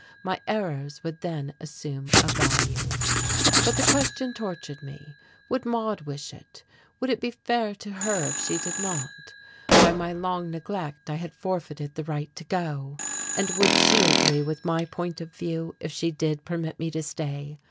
My errors would then assume a value. But the question tortured me: would Maude wish it? Would it be fair to her if she did not? By my long neglect I had forfeited the right to go. And would she agree with my point of view if she did permit me to stay?